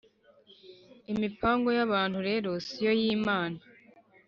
imipango y'abantu rero si yo y'imana.